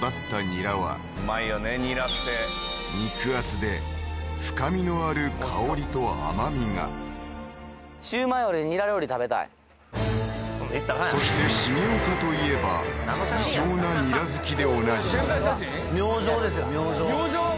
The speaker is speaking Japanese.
ニラって肉厚で深みのある香りと甘みがそして重岡といえば異常なニラ好きでおなじみ宣材写真？